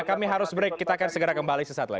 kami harus break kita akan segera kembali sesaat lagi